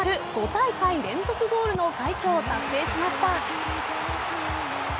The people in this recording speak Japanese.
５大会連続ゴールの快挙を達成しました。